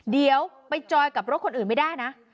เดี๋ยวไปจอยกับรถคนอื่นไม่ได้นะ